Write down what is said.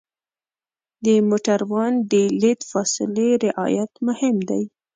د موټروان د لید فاصلې رعایت مهم دی.